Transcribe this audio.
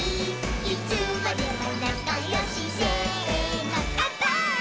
「いつまでもなかよしせーのかんぱーい！！」